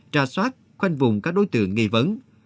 trà soát khoanh vùng các đối tượng nghi vấn